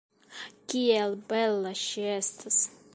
Kiel bela ŝi estas!